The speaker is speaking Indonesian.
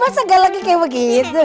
masa galaknya kayak begitu